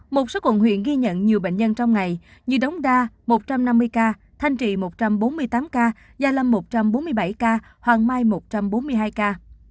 một số quận huyện ghi nhận nhiều bệnh nhân trong ngày như đống đa một trăm năm mươi ca thanh trị một trăm bốn mươi tám ca gia lâm một trăm bốn mươi bảy ca hoàng mai một trăm bốn mươi hai ca